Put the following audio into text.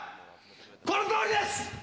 このとおりです！